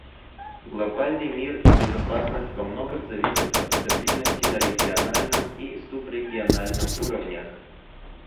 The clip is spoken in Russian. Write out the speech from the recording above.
Глобальный мир и безопасность во многом зависят от стабильности на региональном и субрегиональном уровнях.